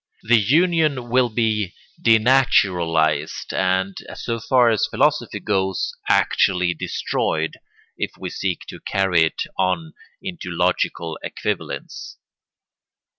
The union will be denaturalised and, so far as philosophy goes, actually destroyed, if we seek to carry it on into logical equivalence.